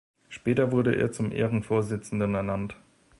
Später wurde er zum Ehrenvorsitzenden ernannt.